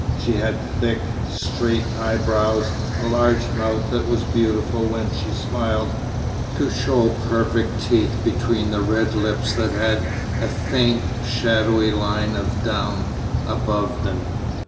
She had thick, straight eyebrows, a large mouth that was beautiful when she smiled, to show perfect teeth between the red lips that had a faint, shadowy line of down above them.